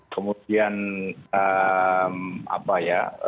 kemudian apa ya